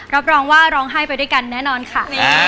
รับรองว่าร้องไห้ไปด้วยกันแน่นอนค่ะ